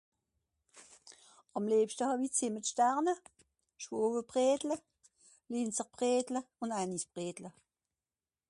Ce que je préfère ; les étoiles à la canelle, les Schowebredle les Linzer, et les gâteaux a l'anis